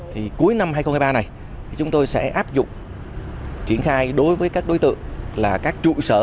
thì cuối năm hai nghìn hai mươi ba này chúng tôi sẽ áp dụng triển khai đối với các đối tượng là các trụ sở